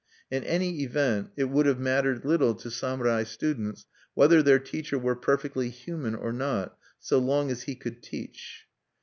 In any event it would have mattered little to samurai students whether their teacher were perfectly human or not, so long as he could teach.